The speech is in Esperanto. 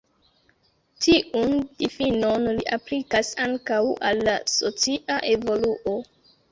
Tiun difinon li aplikas ankaŭ al la socia evoluo.